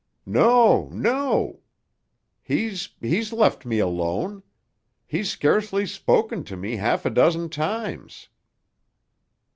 "No, no! He's—he's left me alone. He's scarcely spoken to me half a dozen times."